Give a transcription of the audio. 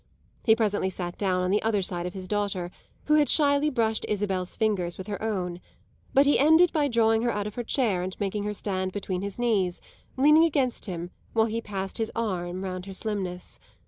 He presently sat down on the other side of his daughter, who had shyly brushed Isabel's fingers with her own; but he ended by drawing her out of her chair and making her stand between his knees, leaning against him while he passed his arm round her slimness.